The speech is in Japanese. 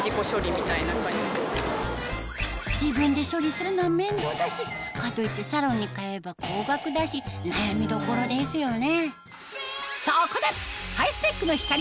自分で処理するのは面倒だしかといってサロンに通えば高額だし悩みどころですよね